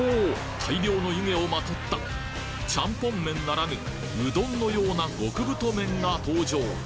大量の湯気をまとったチャンポン麺ならぬうどんのような極太麺が登場！